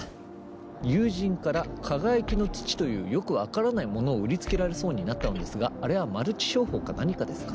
「友人から『かがやきの土』というよくわからないものを売りつけられそうになったのですがあれはマルチ商法か何かですか？」。